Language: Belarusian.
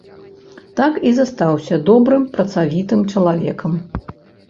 Так і застаўся добрым працавітым чалавекам.